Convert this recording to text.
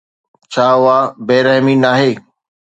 ڇا اها بي رحمي ناهي؟